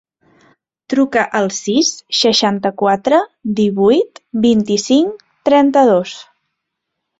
Truca al sis, seixanta-quatre, divuit, vint-i-cinc, trenta-dos.